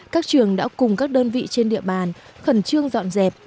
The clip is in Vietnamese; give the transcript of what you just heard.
các trường đã cùng các đơn vị trên địa bàn khẩn trương dọn dẹp